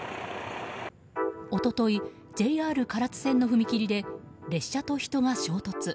一昨日、ＪＲ唐津線の踏切で列車と人が衝突。